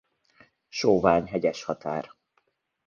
Sovány-hegyes határ.